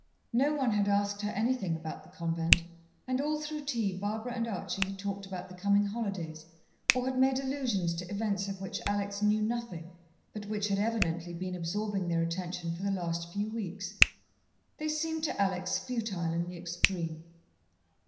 No one had asked her anything about the convent, and all through tea Barbara and Archie had talked about the coming holidays, or had made allusions to events of which Alex knew nothing, but which had evidently been absorbing their attention for the last few weeks. They seemed to Alex futile in the extreme.